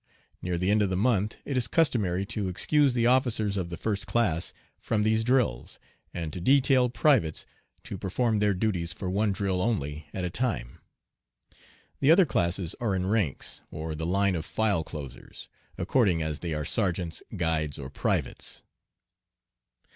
Near the end of the month it is customary to excuse the officers of the first class from these drills, and to detail privates to perform their duties for one drill only at a time. The other classes are in ranks, or the line of file closers, according as they are sergeants, guides, or privates.